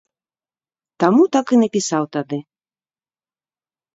Таму так і напісаў тады.